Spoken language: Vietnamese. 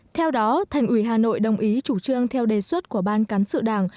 theo đó thành ủy hà nội đồng ý chủ trương theo đề xuất của ban cán sự đảng